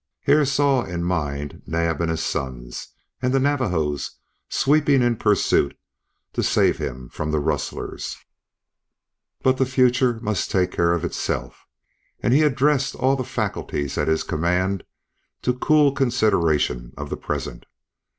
Hare saw in mind Naab and his sons, and the Navajos sweeping in pursuit to save him from the rustlers. But the future must take care of itself, and he addressed all the faculties at his command to cool consideration of the present.